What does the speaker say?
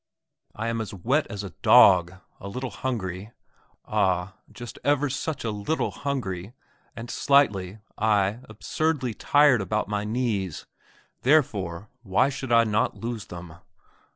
"I am as wet as a dog a little hungry ah, just ever such a little hungry, and slightly, ay, absurdly tired about my knees; therefore, why should I not lose them?